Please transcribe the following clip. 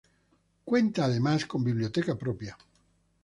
Cuenta además con biblioteca propia.